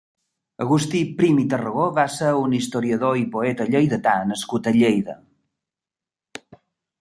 Agustí Prim i Tarragó va ser un historiador i poeta lleidatà nascut a Lleida.